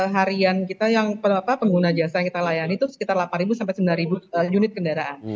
harian kita yang pengguna jasa yang kita layani itu sekitar delapan sampai sembilan unit kendaraan